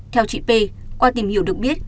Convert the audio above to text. theo chị p qua tìm hiểu được biết